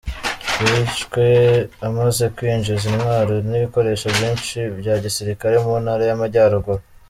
Yishwe amaze kwinjiza intwaro n’ibikoresho byinshi byagisikare mu Ntara y’amajyaruguru.